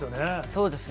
そうですね。